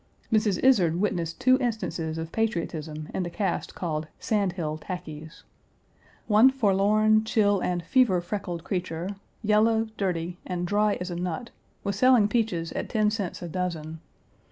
Mrs. Izard witnessed two instances of patriotism in the caste called "Sandhill lackeys." One forlorn, chill, and fever freckled creature, yellow, dirty, and dry as a nut, was selling peaches at ten cents a dozen.